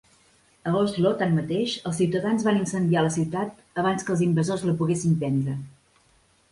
A Oslo, tanmateix, els ciutadans van incendiar la ciutat abans que els invasors la poguessin prendre.